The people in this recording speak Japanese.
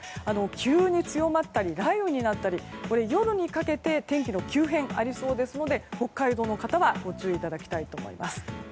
急に強まったり雷雨になったり夜にかけて天気の急変がありそうですので北海道の方はご注意いただきたいと思います。